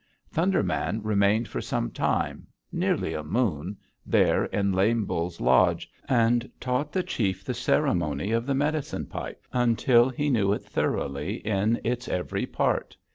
"Thunder Man remained for some time, nearly a moon, there in Lame Bull's lodge, and taught the chief the ceremony of the medicine pipe until he knew it thoroughly in its every part.